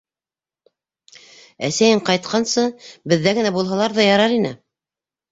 Әсәйең ҡайтҡансы, беҙҙә генә булһалар ҙа ярар ине...